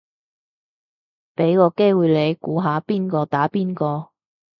俾個機會你估下邊個打邊個